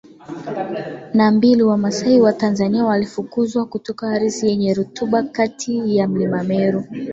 na mbili Wamasai wa Tanzania walifukuzwa kutoka ardhi yenye rutuba kati ya Mlima Meru